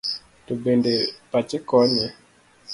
To bende pache konye?